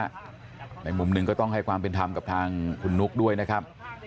ในมุมหนึ่งก็ต้องให้ความเป็นธรรมกับทางคุณนุ๊กด้วยนะครับ